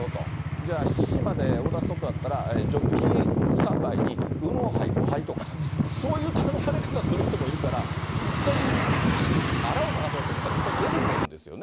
じゃあ、７時までオーダーストップだったら、ジョッキ３杯にウーロンハイ５杯とか、そういう頼まれ方する人いるから、あらを探そうと思ったら、いっぱい出てくるんですよね。